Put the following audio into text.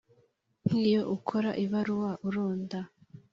Nk’iyo ukora ibarura Uronda